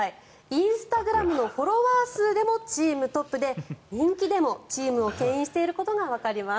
インスタグラムのフォロワー数でもチームトップで人気でもチームをけん引していることがわかります。